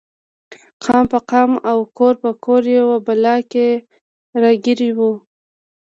قام په قام او کور په کور یوې بلا کې راګیر و.